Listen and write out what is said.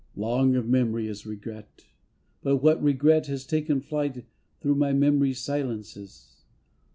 Long of memory is Regret, But what Regret has taken flight Through my memory's silences?